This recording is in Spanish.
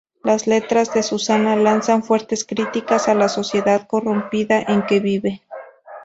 Las letras de Susana lanzan fuertes críticas a la sociedad corrompida en que vive.